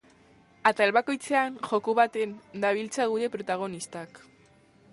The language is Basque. Atal bakoitzean joku batean dabiltza gure protagonistak.